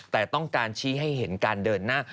แต่ต้องการชี้ให้เห็นการเดินหน้า